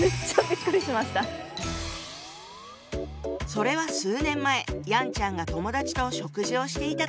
それは数年前ヤンちゃんが友達と食事をしていた時のこと。